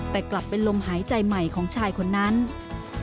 แต่กลับเป็นลมหายใจใหม่ของชายคนนั้น